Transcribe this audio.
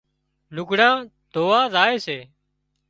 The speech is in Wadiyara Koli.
لگھڙان ڌووا زائي سي